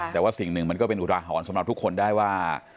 แต่แบบสิ่งนึงก็เป็นอุรหร่อนสำหรับทุกคนได้ว่า